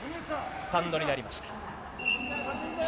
スタンドになりました。